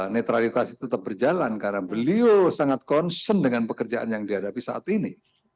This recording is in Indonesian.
netralitas itu tetap berjalan karena beliau sangat concern dengan pekerjaan yang dihadapi saat ini